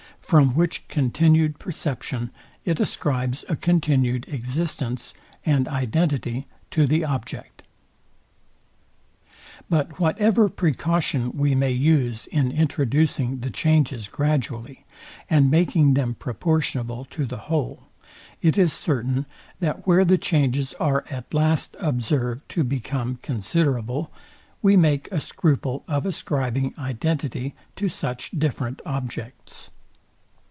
From which continued perception, it ascribes a continued existence and identity to the object. But whatever precaution we may use in introducing the changes gradually, and making them proportionable to the whole, it is certain, that where the changes are at last observed to become considerable, we make a scruple of ascribing identity to such different objects.